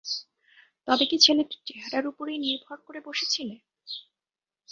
তবে কি ছেলেটির চেহারার উপরেই নির্ভর করে বসেছিলে।